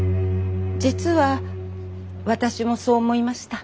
実は私もそう思いました。